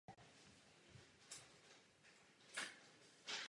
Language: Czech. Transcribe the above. Norbert Leopold přivedl téhož roku první řeholníky a ubytoval je v zámku.